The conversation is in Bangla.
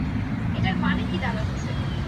এটার মানে কি দাড়াচ্ছে?